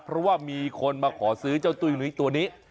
เพราะว่ามีคนมาขอซื้อเจ้าตุ้ยนุ้ยตัวนี้